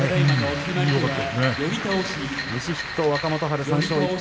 西筆頭、若元春、３勝１敗。